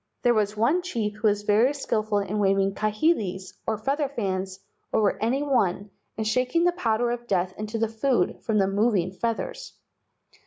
There was one chief who was very skilful in waving kahilis, or feather fans, over any one and shaking the powder of death into the food from the moving feathers.